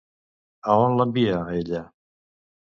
A on l'envia, ella?